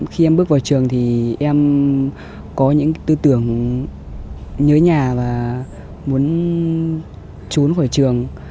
khi em bước vào trường thì em có những tư tưởng nhớ nhà và muốn trốn khỏi trường